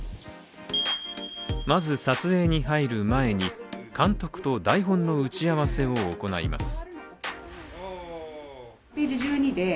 まず、撮影に入る前に監督と台本の打ち合わせを行います。